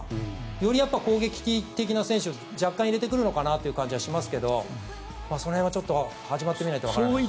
より攻撃的な選手を若干入れてくるのかなという感じはしますがその辺は始まってみないとわからない。